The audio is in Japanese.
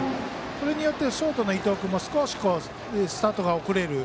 これによってショートの伊藤君も少しスタートが遅れる。